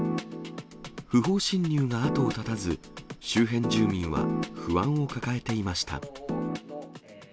不法侵入が後を絶たず、周辺住民は不安を抱えていました。